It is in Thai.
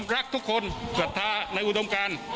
รักทุกคนสัตว์ท่าในอุดมการ